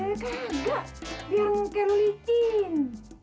ya kan enggak biar ngelicin